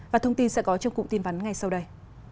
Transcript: và thông tin sẽ có trong cụm tin vắn ngay sau đây